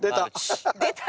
出た。